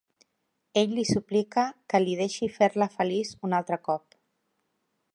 "Ell li suplica que li deixi fer-la feliç un altre cop."